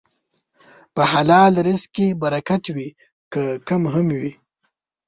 په حلال رزق کې برکت وي، که کم هم وي.